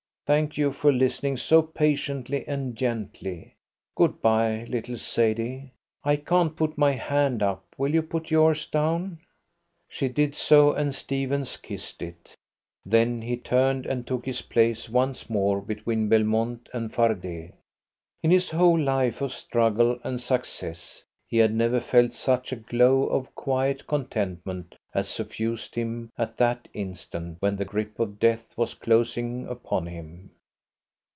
Thank you for listening so patiently and gently. Good bye, little Sadie! I can't put my hand up. Will you put yours down?" She did so and Stephens kissed it. Then he turned and took his place once more between Belmont and Fardet. In his whole life of struggle and success he had never felt such a glow of quiet contentment as suffused him at that instant when the grip of death was closing upon him.